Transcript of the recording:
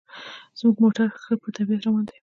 زموږ موټر ښه په طبیعت روان دی.